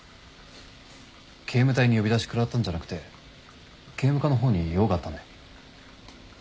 警務隊に呼び出しくらったんじゃなくて警務科の方に用があったんで。